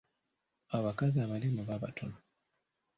Abakazi abanene oba abatono.